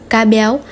bốn cá béo